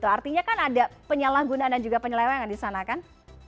artinya kan ada penyalahgunaan dan juga penyelewengan di sana kan